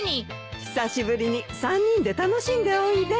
久しぶりに３人で楽しんでおいで。